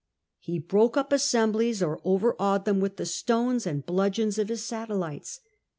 He broke up assemblies, or overawed them with the stones and bludgeons of his satellites.